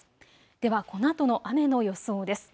ではこのあとの雨の予想です。